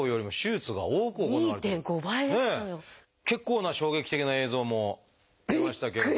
結構な衝撃的な映像も出ましたけれども。